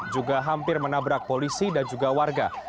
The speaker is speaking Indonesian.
juga hampir menabrak polisi dan juga warga